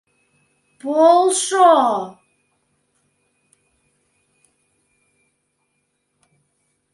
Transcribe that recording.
— Полшо-о!